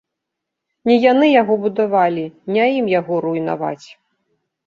Не яны яго будавалі, не ім яго руйнаваць.